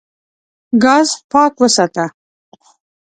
ګاز پاک وساته.